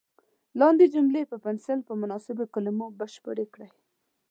لاندې جملې په پنسل په مناسبو کلمو بشپړې کړئ.